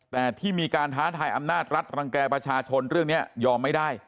แต่ที่มีการท้าทายอำนาจรัฐรังแก่ประชาชนเรื่องนี้ยอมไม่ได้